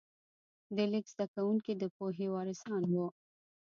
د لیک زده کوونکي د پوهې وارثان وو.